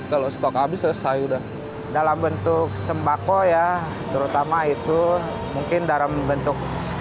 kalau stok habis selesai udah dalam bentuk sembako ya terutama itu mungkin dalam bentuk